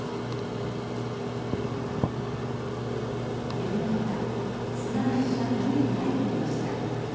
夕方菅波がモネに会いに来ました。